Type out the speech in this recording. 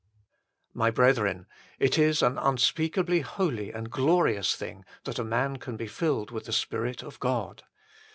My brethren, it is an unspeakably holy and glorious thing that a man can be filled with the Spirit of God.